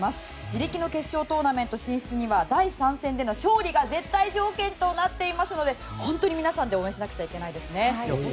自力の決勝トーナメント進出には第３戦での勝利が絶対条件となっていますので本当に皆さんで応援しなくちゃいけないですよね。